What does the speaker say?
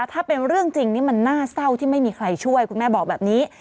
ถ้าเป็นเรื่องจริงนี่มันน่าเศร้าที่ไม่มีใครช่วยคุณแม่บอกแบบนี้